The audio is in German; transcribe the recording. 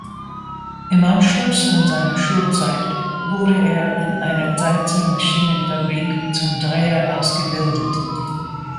Im Anschluss an seine Schulzeit wurde er in einer Zeitzer Maschinenfabrik zum Dreher ausgebildet.